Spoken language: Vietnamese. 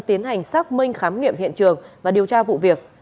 tiến hành xác minh khám nghiệm hiện trường và điều tra vụ việc